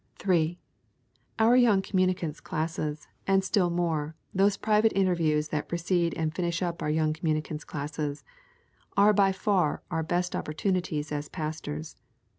3. Our young communicants' classes, and still more, those private interviews that precede and finish up our young communicants' classes, are by far our best opportunities as pastors.